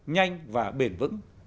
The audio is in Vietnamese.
nhanh và bền vững